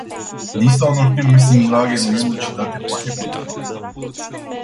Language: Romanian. Lista unor crime similare neelucidate poate continua.